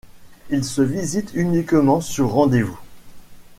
Il se visite uniquement sur rendez-vous.